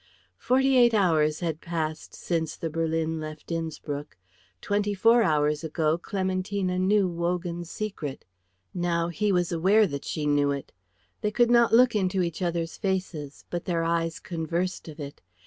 Forty eight hours had passed since the berlin left Innspruck. Twenty four hours ago Clementina knew Wogan's secret. Now he was aware that she knew it. They could not look into each other's faces, but their eyes conversed of it.